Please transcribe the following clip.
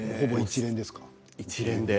一連で。